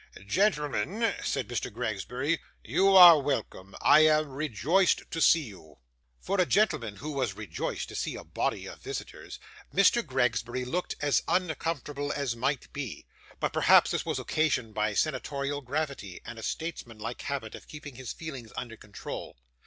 'Gentlemen,' said Mr. Gregsbury, 'you are welcome. I am rejoiced to see you.' For a gentleman who was rejoiced to see a body of visitors, Mr. Gregsbury looked as uncomfortable as might be; but perhaps this was occasioned by senatorial gravity, and a statesmanlike habit of keeping his feelings under control.